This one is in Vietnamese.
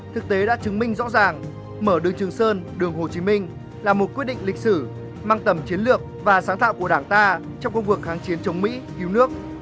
thực tế đã chứng minh rõ ràng mở đường trường sơn đường hồ chí minh là một quyết định lịch sử mang tầm chiến lược và sáng tạo của đảng ta trong công cuộc kháng chiến chống mỹ cứu nước